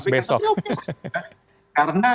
akan dibahas besok